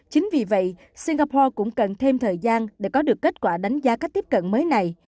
chính vì vậy singapore cũng cần thêm thời gian để có được kết quả đánh giá cách tiếp cận mới này